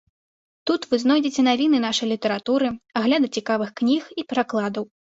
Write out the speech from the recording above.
Тут вы знойдзеце навіны нашай літаратуры, агляды цікавых кніг і перакладаў.